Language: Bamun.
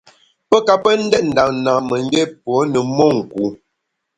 Pe ka pe ndét nda nâmemgbié pô ne monku.